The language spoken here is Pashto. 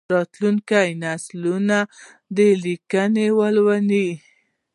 راتلونکي نسلونه دا لیکونه لولي.